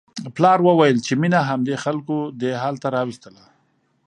پلار وویل چې مينه همدې خلکو دې حال ته راوستله